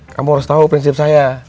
kamu harus tahu prinsip saya